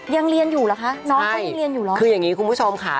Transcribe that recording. ยังเรียนอยู่เหรอคะน้องเขายังเรียนอยู่หรอคืออย่างนี้คุณผู้ชมค่ะ